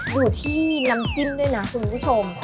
อยู่ที่น้ำจิ้มด้วยนะคุณผู้ชม